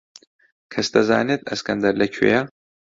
کەس دەزانێت ئەسکەندەر لەکوێیە؟